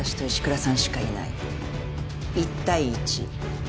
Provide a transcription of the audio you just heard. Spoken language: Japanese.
１対１。